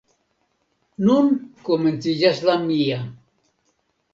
Nun komenciĝas la mia».